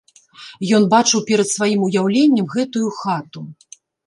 Ён бачыў перад сваім уяўленнем гэтую хату.